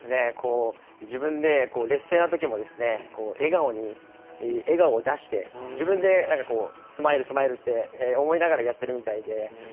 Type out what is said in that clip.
自分で劣勢なときも笑顔に、笑顔を出して自分でスマイル、スマイルって思いながらやっているみたいで。